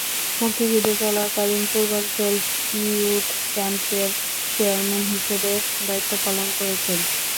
মুক্তিযুদ্ধকালীন পূর্বাঞ্চল ইয়ুথ ক্যাম্পের চেয়ারম্যান হিসেবে দায়িত্ব পালন করেছেন।